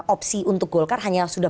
opsi untuk golkar hanya sudah